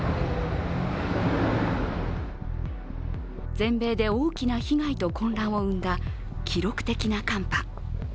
全米で大きな被害と混乱を生んだ記録的な寒波。